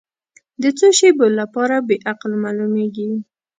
د څو شیبو لپاره بې عقل معلومېږي.